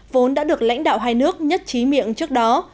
vốn đã được lãnh đạo hai nước nhất trí miệng trước đó